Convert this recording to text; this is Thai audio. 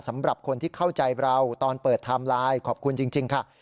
สำหรับคนที่เข้าใจเราตอนเปิดไทม์ไลน์ขอบคุณจริงค่ะ